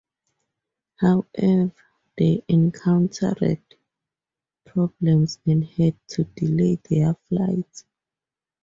However, they encountered problems and had to delay their flights.